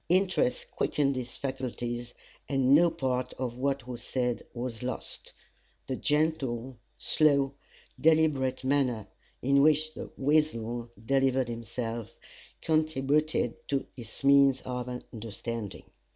Interest quickened his faculties, and no part of what was said was lost. The gentle, slow, deliberate manner in which The Weasel delivered himself, contributed to his means of understanding.